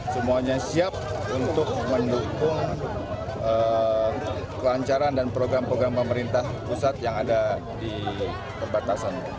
semuanya siap untuk mendukung kelancaran dan program program pemerintah pusat yang ada di perbatasan